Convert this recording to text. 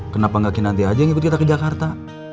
kenapa gak kinanti aja yang ikut kita ke jakarta